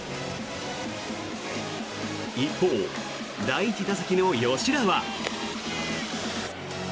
一方、第１打席の吉田は。